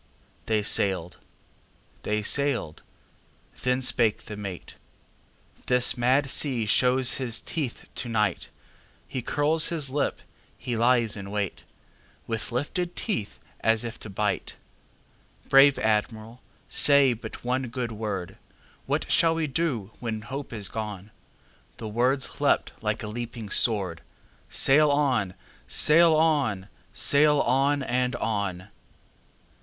They sailed. They sailed. Then spake the mate:"This mad sea shows his teeth to night. He curls his lip, he lies in wait, With lifted teeth, as if to bite! Brave Admiral, say but one good word:What shall we do when hope is gone?"The words leapt like a leaping sword:"Sail on! sail on! sail on! and on!"